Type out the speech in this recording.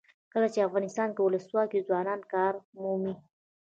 کله چې افغانستان کې ولسواکي وي ځوانان کار مومي.